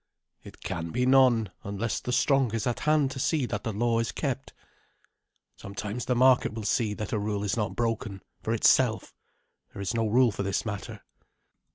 "It can be none, unless the strong is at hand to see that the law is kept." "Sometimes the market will see that a rule is not broken, for itself. There is no rule for this matter."